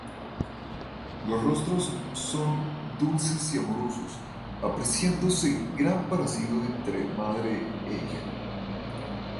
Los rostros son dulces y amorosos, apreciándose gran parecido entre madre e hija.